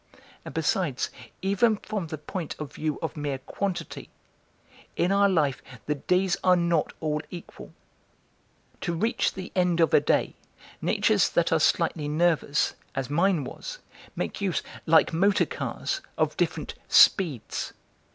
And besides, even from the point of view of mere quantity, in our life the days are not all equal. To reach the end of a day, natures that are slightly nervous, as mine was, make use, like motor cars, of different 'speeds.'